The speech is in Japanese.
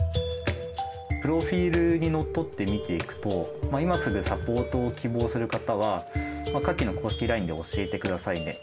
プロフィールにのっとって見ていくと「今すぐサポートを希望する方は下記の公式ＬＩＮＥで教えてくださいね。